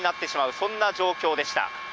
そんな状況でした。